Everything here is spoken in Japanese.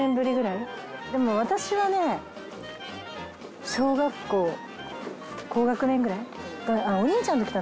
でも私はね小学校高学年ぐらい。